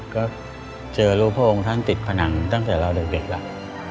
ก็เจอรูปพระองค์ท่านติดผนังตั้งแต่เราเด็กแล้ว